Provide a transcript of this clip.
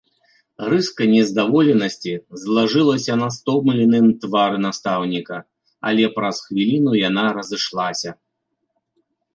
Рыска нездаволенасці злажылася на стомленым твары настаўніка, але праз хвіліну яна разышлася.